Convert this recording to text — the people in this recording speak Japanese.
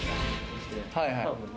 はいはい。